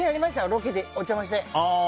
ロケでお邪魔して。